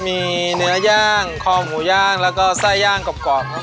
มีเนื้อย่างคอหมูย่างแล้วก็ไส้ย่างกรอบครับ